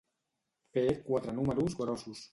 Fer quatre números grossos.